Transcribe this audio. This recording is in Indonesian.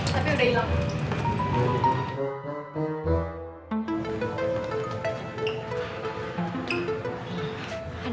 tapi udah ilang